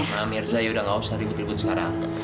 mama mirza yaudah gak usah ribet ribet sekarang